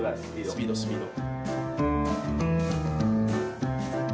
スピードスピード。